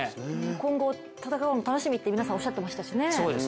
今後、戦うの楽しみっておっしゃってましたしね。